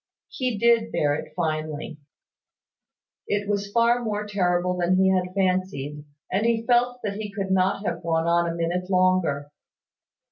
He did bear it finely. It was far more terrible than he had fancied; and he felt that he could not have gone on a minute longer.